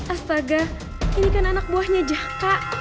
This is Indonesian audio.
astaga ini kan anak buahnya jaka